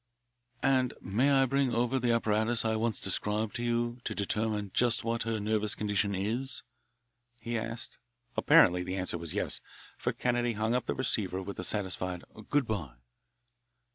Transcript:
"And I may bring over the apparatus I once described to you to determine just what her nervous condition is?" he asked. Apparently the answer was yes, for Kennedy hung up the receiver with a satisfied, "Good bye."